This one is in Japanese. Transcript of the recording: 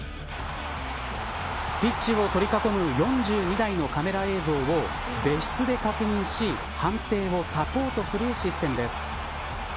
ピッチを取り囲む４２台のカメラ映像を別室で確認し判定をサポートするシステムです。